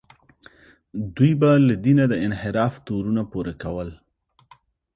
دوی به له دینه د انحراف تورونه پورې کول.